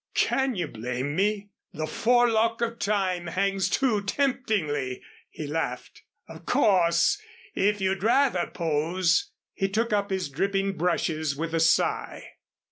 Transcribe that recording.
"Can you blame me? The Forelock of Time hangs too temptingly," he laughed. "Of course, if you'd rather pose " He took up his dripping brushes with a sigh.